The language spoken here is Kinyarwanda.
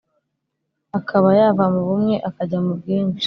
akaba yava mu bumwe akajya mu bwinshi.